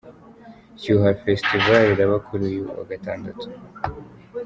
Shyuha Festival iraba kuri uyu wa Gatandatu.